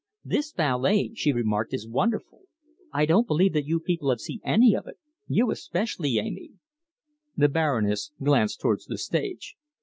"This ballet," she remarked, "is wonderful. I don't believe that you people have seen any of it you especially, Amy." The Baroness glanced towards the stage.